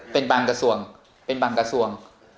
เป็นบางกระทรวง